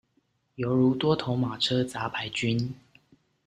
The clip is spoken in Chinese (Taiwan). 猶如多頭馬車雜牌軍